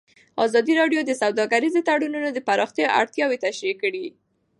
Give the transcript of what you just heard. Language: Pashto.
ازادي راډیو د سوداګریز تړونونه د پراختیا اړتیاوې تشریح کړي.